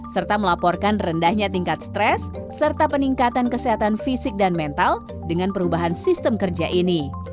serta melaporkan rendahnya tingkat stres serta peningkatan kesehatan fisik dan mental dengan perubahan sistem kerja ini